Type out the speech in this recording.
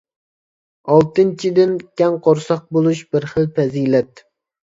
ئالتىنچىدىن، كەڭ قورساق بولۇش بىر خىل پەزىلەت.